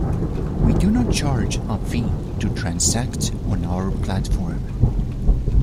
We do not charge a fee to transact on our platform.